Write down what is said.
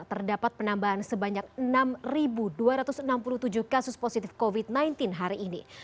terdapat penambahan sebanyak enam dua ratus enam puluh tujuh kasus positif covid sembilan belas hari ini